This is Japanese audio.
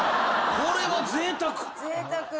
これはぜいたく！